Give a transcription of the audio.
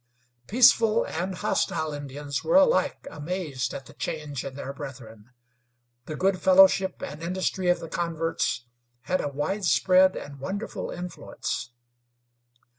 Peaceful and hostile Indians were alike amazed at the change in their brethren. The good fellowship and industry of the converts had a widespread and wonderful influence.